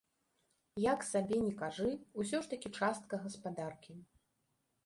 Як сабе ні кажы, усё ж такі частка гаспадаркі.